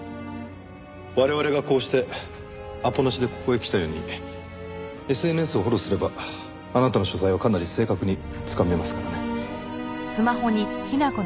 我々がこうしてアポなしでここへ来たようにＳＮＳをフォローすればあなたの所在はかなり正確につかめますからね。